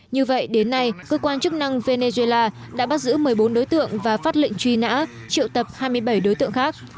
như vậy đến nay cơ quan chức năng venezuela đã bắt giữ một mươi bốn đối tượng và phát lệnh truy nã triệu tập hai mươi bảy đối tượng khác